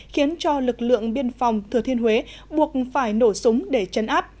khiến cho lực lượng biên phòng thừa thiên huế buộc phải nổ súng để chấn áp